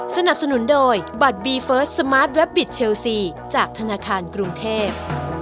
สนับสนุนโดยบัตรบีเฟิร์สสมาร์ทแวบบิตเชลซีจากธนาคารกรุงเทพ